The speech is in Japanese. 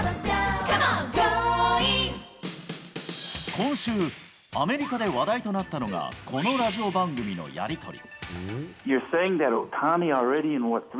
今週、アメリカで話題となったのが、このラジオ番組のやり取り。